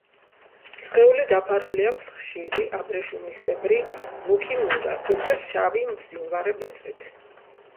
სხეული დაფარული აქვს ხშირი, აბრეშუმისებრი, მუქი მურა, ზოგჯერ შავი მბზინვარე ბეწვით.